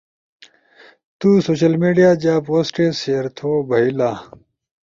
تسوشل میڈیا جا پوسٹس شئیر تھو بئیلا۔